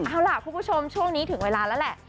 เอาล่ะคุณผู้ชมช่วงนี้ถึงเวลาแล้วแหละ